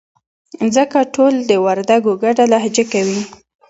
ځکه ټول د وردگو گډه لهجه کوي.